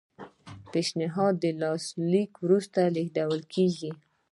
پیشنهاد د لاسلیک وروسته لیږل کیږي.